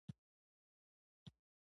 • باران د ټولنې د سوکالۍ سبب کېږي.